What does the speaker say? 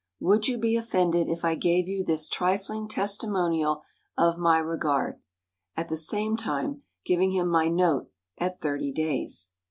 Would you be offended if I gave you this trifling testimonial of my regard?" at the same time giving him my note at thirty days.